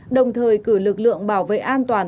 đồng thời cử lực lượng bảo vệ an toàn